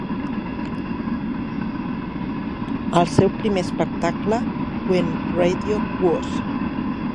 El seu primer espectacle "When Radio Was!"